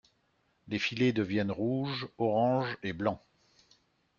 Les filets deviennent rouge, orange et blanc.